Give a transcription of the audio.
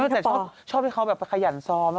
แต่ชอบให้เขาแบบไปขยันซ้อม